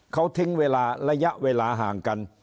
เขาถึงระยะเวลาห่างกัน